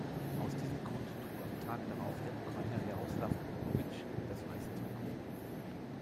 Aus diesem Grund trug am Tag darauf der Ukrainer Jaroslaw Popowytsch das weiße Trikot.